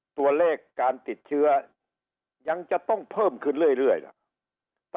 ตัวเลขการติดเชื้อยังจะต้องเพิ่มขึ้นเรื่อยล่ะ